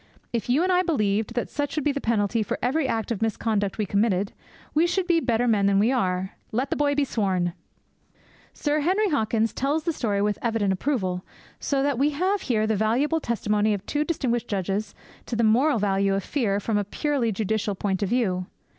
If you and I believed that such would be the penalty for every act of misconduct we committed, we should be better men than we are. Let the boy be sworn!"' Sir Henry Hawkins tells the story with evident approval, so that we have here the valuable testimony of two distinguished judges to the moral value of fear from a purely judicial point of view.